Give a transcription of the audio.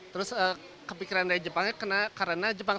terus kepikiran dari jepangnya karena jepang